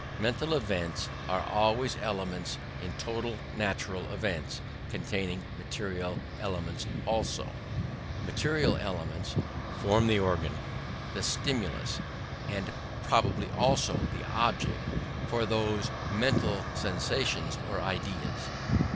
Mental events are always elements in total natural events containing material elements also: material elements form the organ, the stimulus, and probably also the object for those mental sensations or ideas.